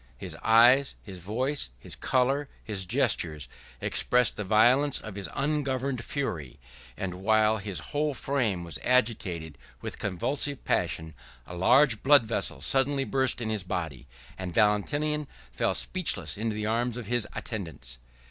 His eyes, his voice, his color, his gestures, expressed the violence of his ungoverned fury; and while his whole frame was agitated with convulsive passion, a large blood vessel suddenly burst in his body; and Valentinian fell speechless into the arms of his attendants.